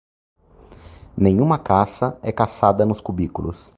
Nenhuma caça é caçada nos cubículos!